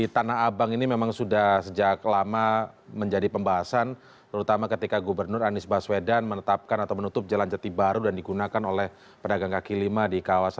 tetaplah bersama cnn indonesia prime news